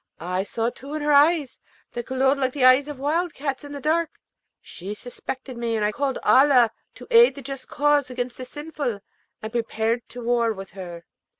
I saw too in her eyes, that glowed like the eyes of wild cats in the dark, she suspected me, and I called Allah to aid the just cause against the sinful, and prepared to war with her.